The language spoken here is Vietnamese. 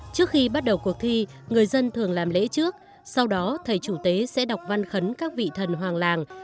trước khi bắt đầu cuộc thi người dân thường làm lễ trước sau đó thầy chủ tế sẽ đọc văn khấn các vị thần hoàng làng